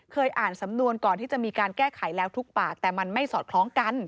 อ่านสำนวนก่อนที่จะมีการแก้ไขแล้วทุกปากแต่มันไม่สอดคล้องกัน